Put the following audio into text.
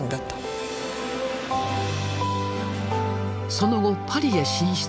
その後パリへ進出。